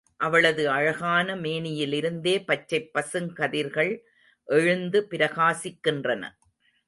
அவளது அழகான மேனியிலிருந்தே பச்சைப் பசுங் கதிர்கள் எழுந்து பிரகாசிக்கின்றன.